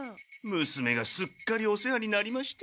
娘がすっかりお世話になりまして。